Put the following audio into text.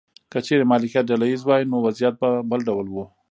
که چیرې مالکیت ډله ایز وای نو وضعیت به بل ډول و.